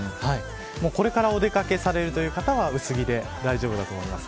これからお出掛けされるという方は薄着で大丈夫だと思います。